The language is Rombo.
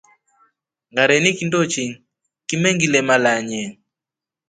Ngareni kindochi kimengilema lanye.